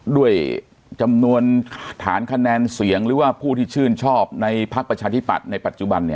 ด้วยจำนวนฐานคะแนนเสียงหรือว่าผู้ที่ชื่นชอบในพักประชาธิปัตย์ในปัจจุบัน